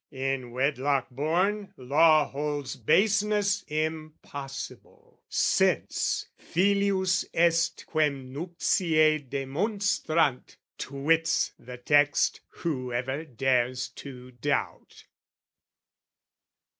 In wedlock born, law holds Baseness impossible, since "filius est Quem nuptiae demonstrant," twits the text Whoever dares to doubt.